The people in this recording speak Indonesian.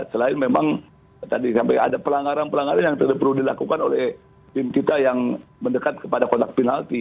selain memang tadi sampai ada pelanggaran pelanggaran yang tidak perlu dilakukan oleh tim kita yang mendekat kepada kontak penalti